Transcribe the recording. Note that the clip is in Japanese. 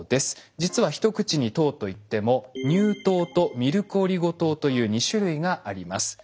実は一口に糖といっても乳糖とミルクオリゴ糖という２種類があります。